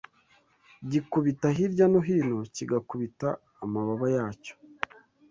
Gikubita hirya no hino, kigakubita amababa yacyo